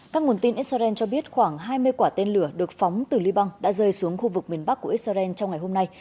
các nguồn tin israel cho biết khoảng hai mươi quả tên lửa được phóng từ liban đã rơi xuống khu vực miền bắc của israel trong ngày hôm nay